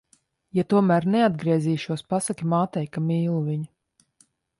Ja tomēr neatgriezīšos, pasaki mātei, ka mīlu viņu.